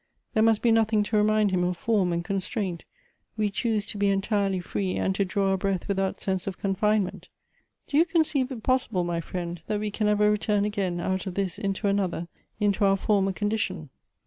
There must be nothing to remind him of form and constraint, we choose to be entirely free, and to draw our bi eath without sense of confinement. Do you conceive it possi ble, my friend, that we can ever return again out of this into another, into our former condition?"